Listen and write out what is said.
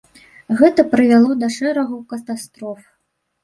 Гэта прывяло да шэрагу катастроф.